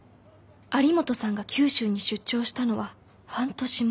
有本さんが九州に出張したのは半年前。